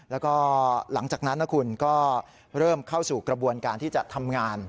แล้วก็หลังจากนั้นนะคุณก็เริ่มเข้าสู่กระบวนการที่จะทำงาน